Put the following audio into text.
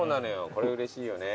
これうれしいよね。